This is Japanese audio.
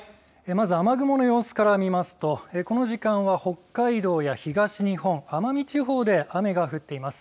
まず雨雲の様子から見ますとこの時間は、北海道や東日本奄美地方で雨が降っています。